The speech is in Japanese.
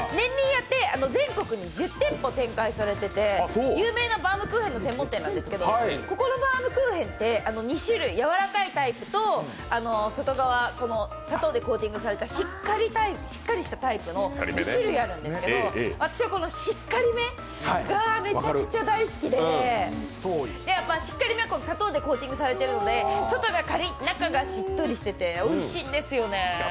家って全国に１０店舗展開されてて、有名なバームクーヘンの専門店なんですけどここのバームクーヘンって２種類、やわらかいタイプと外側、砂糖でコーティングされたしっかりしたタイプの２種類、あるんですけど私はしっかり芽がめちゃくちゃ大好きで、しっかり芽は砂糖でコーティングされているので外がカリッ、中がしっとりしてておいしいんですよね。